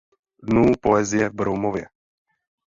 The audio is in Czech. Dnů poezie v Broumově.